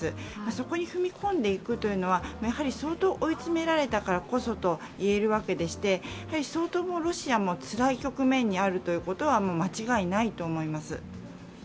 そこに踏み込んでいくというのは、相当追い詰められたこそといえるわけでして、相当、ロシアもつらい局面にあることは間違いないと思います。